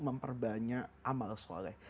memperbanyak amal sholeh